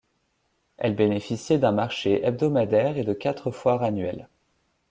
Elle bénéficiait d’un marché hebdomadaire et de quatre foires annuelles.